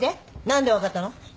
何で分かったの？